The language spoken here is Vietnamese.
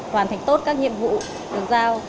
hoàn thành tốt các nhiệm vụ được giao